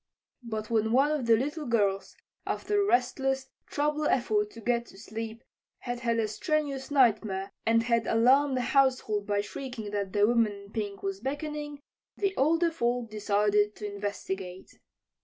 But when one of the little girls, after a restless, troubled effort to get to sleep, had had a strenuous nightmare, and had alarmed the household by shrieking that the woman in pink was beckoning, the older folk decided to investigate.